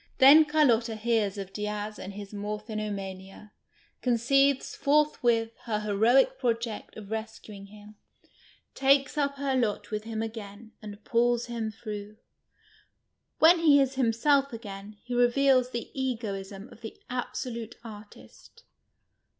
Then Carlotta hears of Diaz and his niorphinoniania, conceives forthwith her lieroic project of reseuinjr him, takes uj) her lot with him again, and pulls him through. When he is him self again, he reveals the egoism of the absolute artist.